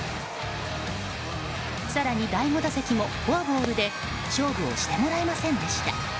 更に、第５打席もフォアボールで勝負をしてもらえませんでした。